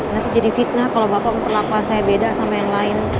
nanti jadi fitnah kalau bapak memperlakuan saya beda sama yang lain